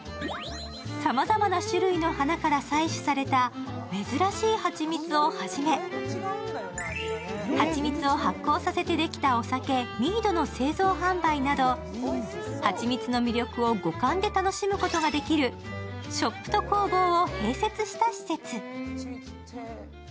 さまざまな種類の花から採取された珍しいはちみつをはじめ、蜂蜜を発酵させてできたお酒、ミードの製造販売などはちみつの魅力を五感で楽しむことができるショップと工房を併設した施設。